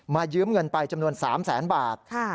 ยืมเงินไปจำนวน๓แสนบาท